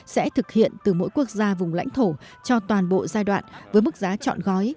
sẽ thực hiện từ mỗi quốc gia vùng lãnh thổ cho toàn bộ giai đoạn với mức giá chọn gói